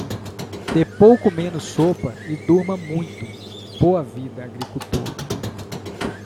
Dê pouco, menos sopa e durma muito, boa vida, agricultor.